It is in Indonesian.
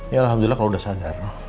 ya alhamdulillah kalau udah sadar